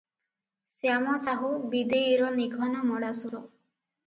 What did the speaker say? ଶ୍ୟାମ ସାହୁ ବିଦେଇର ନିଘନ ମଳାଶୁର ।